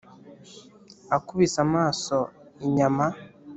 akubise amaso inyama